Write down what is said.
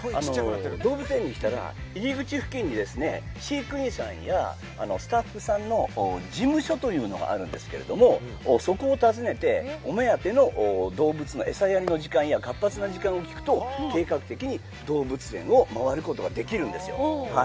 動物園に来たら入り口付近に飼育員さんやスタッフさんの事務所というのがあるんですけれどもそこを訪ねてお目当ての動物の餌やりの時間や活発な時間を聞くと計画的に動物園を回ることができるんですよ。